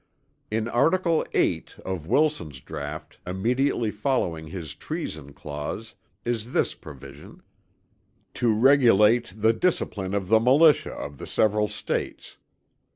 In article 8 of Wilson's draught immediately following his treason clause is this provision: "To regulate the discipline of the militia of the several States."